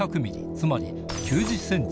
つまり９０ｃｍ